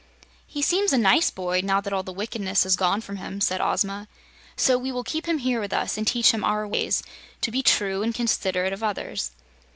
"He seems a nice boy, now that all the wickedness has gone from him," said Ozma. "So we will keep him here with us and teach him our ways to be true and considerate of others."